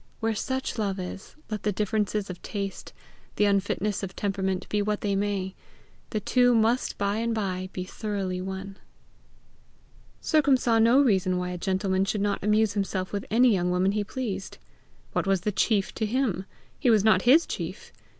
Where such love is, let the differences of taste, the unfitnesses of temperament be what they may, the two must by and by be thoroughly one. Sercombe saw no reason why a gentleman should not amuse himself with any young woman he pleased. What was the chief to him! He was not his chief!